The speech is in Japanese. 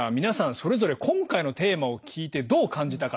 それぞれ今回のテーマを聞いてどう感じたか。